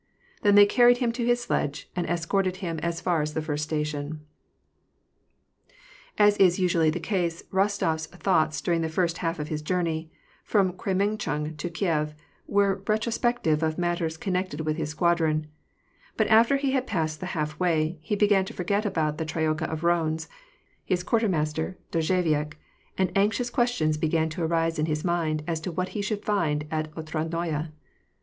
Then they carried him to his sledge, and escorted him as far as the first station. As is usually the case, Rostof's thoughts during the first half of his journey, from Kremenchug to Kief, were retro spective of matters connected with his squadron ; but after he had passed the half way, he began to forget aboiit the troika of roans, his quartermaster Dozhetveik, and anxious qujestions began to arise in his mind as to what he should find at Otradnoye.